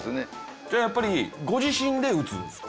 じゃあやっぱりご自身で打つんですか？